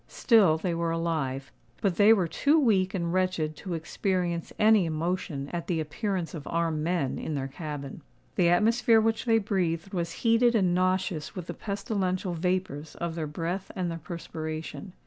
Still they were alive; but they were too weak and wretched to experience any emotion at the appearance of armed men in their cabin. The atmosphere which they breathed was heated and nauseous with the pestilential vapours of their breath and their perspiration.